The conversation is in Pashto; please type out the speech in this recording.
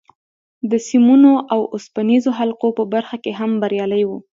د سیمونو او اوسپنیزو حلقو په برخه کې هم بریالی و